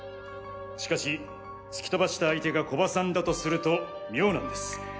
しかし突き飛ばした相手が古葉さんだとすると妙なんです。